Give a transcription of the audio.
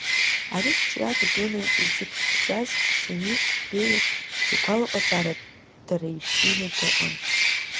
Ари қәҿиара дуны изыԥхьаӡаз Семиҳ Беи игәалаҟазаара дара ибзианы дыҟан.